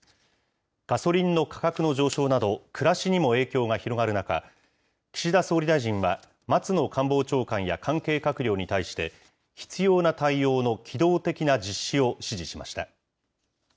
ガソリンの価格の上昇など、暮らしにも影響が広がる中、岸田総理大臣は、松野官房長官や関係閣僚に対して、必要な対応の機動的な実施を指示しました。